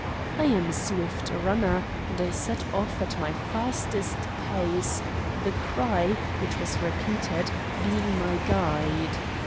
I am a swift runner, and I set off at my fastest pace, the cry, which was repeated, being my guide.